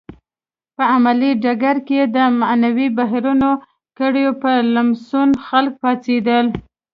په علمي ډګر کې د معینو بهرنیو کړیو په لمسون خلک پاڅېدل.